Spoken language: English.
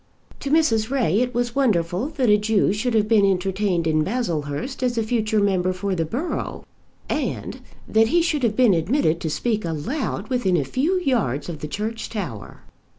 To Mrs. Ray it was wonderful that a Jew should have been entertained in Baslehurst as a future member for the borough, and that he should have been admitted to speak aloud within a few yards of the church tower!